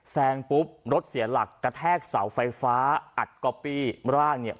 แซงปุ๊บรถเสียหลักกระแทกเสาไฟฟ้าอัดก๊อปปี้ร่างเนี่ย